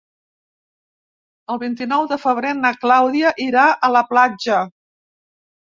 El vint-i-nou de febrer na Clàudia irà a la platja.